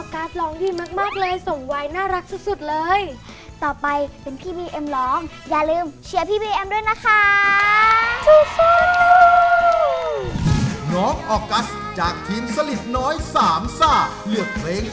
ขอบคุณออกาสร้องดีมากเลย